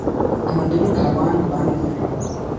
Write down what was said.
تمدن کاروان وړاندې تللی و